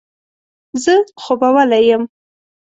زه خوبولی یم.